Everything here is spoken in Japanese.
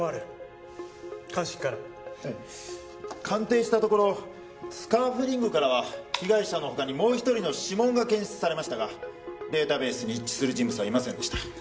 鑑定したところスカーフリングからは被害者のほかにもう１人の指紋が検出されましたがデータベースに一致する人物はいませんでした。